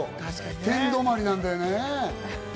天止まりなんだよね。